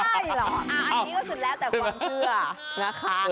ใช่เหรออันนี้ก็สุดแล้วแต่ความเชื่อนะคะ